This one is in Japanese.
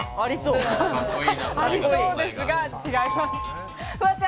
ありそうですが違います。